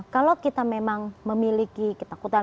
kalau kita memang memiliki ketakutan